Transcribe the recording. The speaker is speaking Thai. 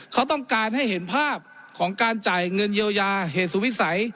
เขาต้องการให้เห็นภาพของการจ่ายเงินเยียวยาเหตุสุวิสัย